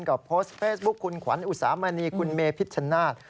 กับโพสต์เฟสบุ๊คคุณขวัญอุตสามัณีคุณเมพิธชนาศ